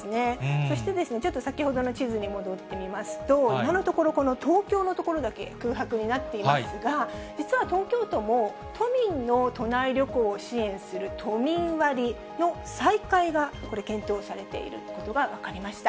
そしてですね、ちょっと先ほどの地図に戻ってみますと、今のところ、この東京の所だけ空白になっていますが、実は東京都も都民の都内旅行を支援する都民割の再開が検討されていることが分かりました。